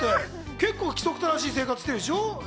結構、規則正しい生活してるでしょ？